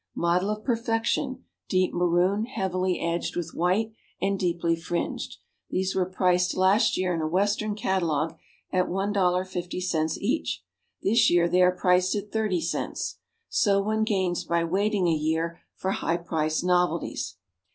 Model of Perfection, deep maroon, heavily edged with white, and deeply fringed. These were priced last year in a Western catalogue at $1.50 each; this year they are priced at 30 cents. So one gains by waiting a year for high priced novelties.